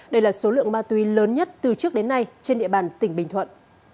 đây là số lượng ma túy lớn nhất từ trước đến nay trên địa bàn tỉnh bình thuận